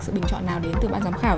sự bình chọn nào đến từ bạn giám khảo